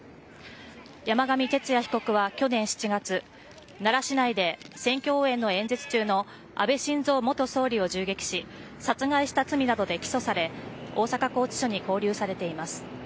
山上徹也被告は去年７月奈良市内で選挙応援の演説中の安倍晋三元総理を銃撃し殺害した罪などで起訴され大阪拘置所に勾留されています。